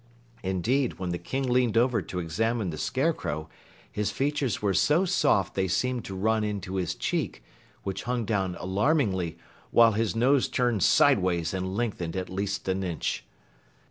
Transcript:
Indeed, when the King leaned over to examine the Scarecrow, his features were so soft they seemed to run into his cheek, which hung down alarmingly, while his nose turned sideways and lengthened at least an inch!